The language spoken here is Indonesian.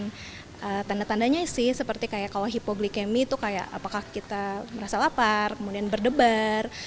dan tanda tandanya sih seperti kalau hipoglikemi itu apakah kita merasa lapar berdebar